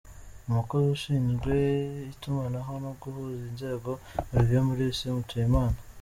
-Umukozi Ushinzwe Itumanaho no guhuza Inzego, Olivier Maurice Mutuyimana